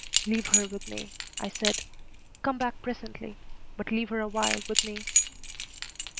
"Leave her with me," I said. "Come back presently, but leave her awhile with me."